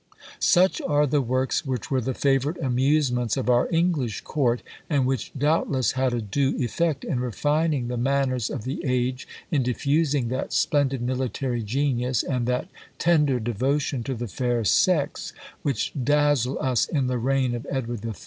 Such are the works which were the favourite amusements of our English court, and which doubtless had a due effect in refining the manners of the age, in diffusing that splendid military genius, and that tender devotion to the fair sex, which dazzle us in the reign of Edward III.